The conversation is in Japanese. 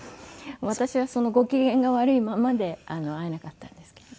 私はそのご機嫌が悪いままで会えなかったんですけれど。